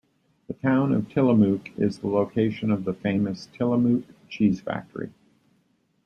The town of Tillamook is the location of the famous Tillamook Cheese Factory.